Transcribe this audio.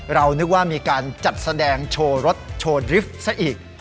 เรานึกว่ามีการจัดแสดงโชว์รถโชว์ดริฟท์ซะอีก